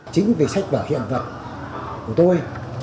chính vì sách vở hiện vật của tôi